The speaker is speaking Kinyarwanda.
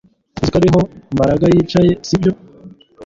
Uzi ko ariho Mbaraga yicaye sibyo